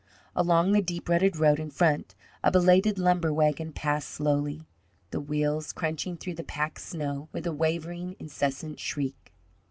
Along the deep rutted road in front a belated lumber wagon passed slowly, the wheels crunching through the packed snow with a wavering, incessant shriek.